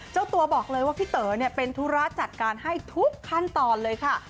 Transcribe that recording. เจ้าตัวบอกเลยว่าพี่เต๋อเป็นธุระจัดการให้ทุกขั้นตอนเลยค่ะ